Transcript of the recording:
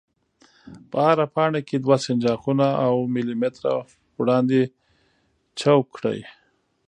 په هره پاڼه کې دوه سنجاقونه او ملي متره وړاندې چوګ کړئ.